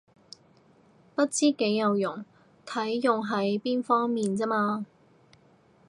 不知幾有用，睇用喺邊方面咋嘛